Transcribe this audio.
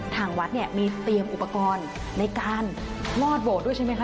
ทางวัดมีเตรียมอุปกรณ์ในการรอดโบสถ์ใช่ไหมคะ